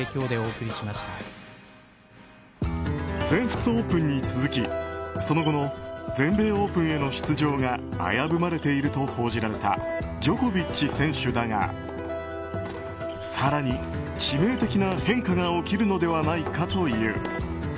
全仏オープンに続き、その後の全米オープンへの出場が危ぶまれていると報じられたジョコビッチ選手だが更に、致命的な変化が起きるのではないかという。